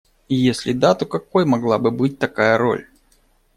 И если да, то какой могла бы быть такая роль?